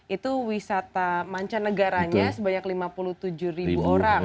itu wisata mancanegaranya sebanyak lima puluh tujuh ribu orang